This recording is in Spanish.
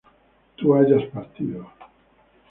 tú hayas partido